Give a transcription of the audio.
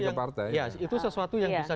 punya partai itu sesuatu yang bisa